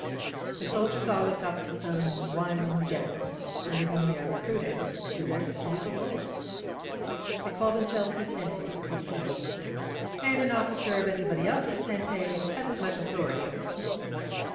The soldiers all look up to some one Greneral, im der whom they are recruited, as to their feudal lord. They call themselves his gente — ^his people; and an officer of anybody else's gente hasn't much authority over them.